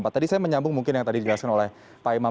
tadi saya menyambung mungkin yang tadi dijelaskan oleh pak imam